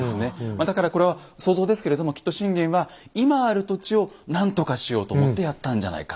まあだからこれは想像ですけれどもきっと信玄は今ある土地を何とかしようと思ってやったんじゃないかなと。